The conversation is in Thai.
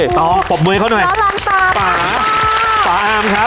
เฮ้เป็นไงต่อปบมือเขาหน่อยป่าป่าห้ามครับ